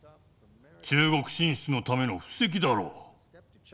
中国進出のための布石だろう。